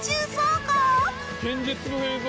「現実の映像？」